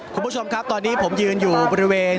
คุณผู้ชมครับตอนนี้ผมยืนอยู่บริเวณ